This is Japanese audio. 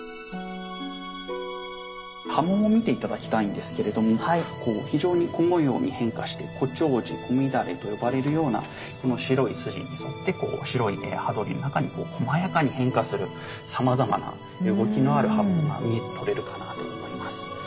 刃文を見て頂きたいんですけれども非常に小模様に変化して小丁子小乱と呼ばれるようなこの白い筋に沿ってこう白い刃取りの中にこうこまやかに変化するさまざまな動きのある刃文が見て取れるかなと思います。